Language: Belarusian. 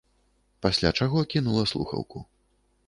Пасля чаго кінула слухаўку.